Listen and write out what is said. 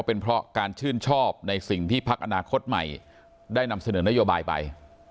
เป็นเพราะการชื่นชอบในสิ่งที่พักอนาคตใหม่ได้นำเสนอนโยบายไป